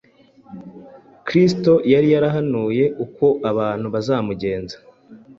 Kristo yari yarahanuye uko abantu bazamugenza